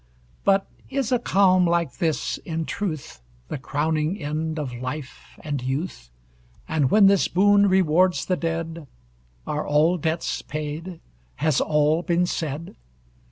But is a calm like this, in truth, The crowning end of life and youth, And when this boon rewards the dead, Are all debts paid, has all been said?